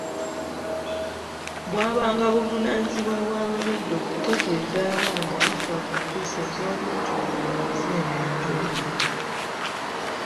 Bwabanga buvunaanyizibwa bwa bazadde okutegeeza abaana ebifa ku empisa ez’obuntubulamu eziri mu nju eyo.